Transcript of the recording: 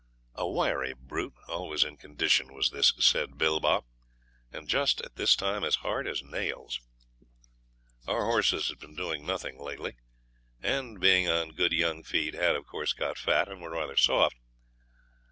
A wiry brute, always in condition, was this said Bilbah, and just at this time as hard as nails. Our horses had been doing nothing lately, and being on good young feed had, of course, got fat, and were rather soft.